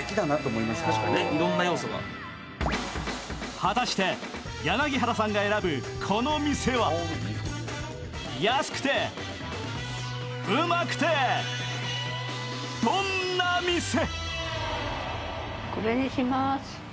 果たして柳原さんが選ぶこの店は安くてウマくてどんな店？